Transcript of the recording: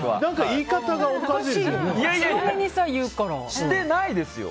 言い方がおかしいよ。